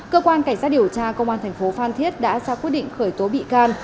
cơ quan cảnh sát điều tra công an thành phố phan thiết đã ra quyết định khởi tố bị can